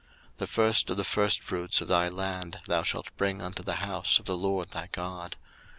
02:034:026 The first of the firstfruits of thy land thou shalt bring unto the house of the LORD thy God.